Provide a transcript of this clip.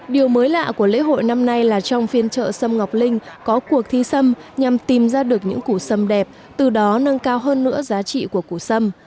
điều mới lạ của lễ hội năm nay là trong phiên chợ sâm ngọc linh có cuộc thi sâm nhằm tìm ra được những củ xâm đẹp từ đó nâng cao hơn nữa giá trị của củ xâm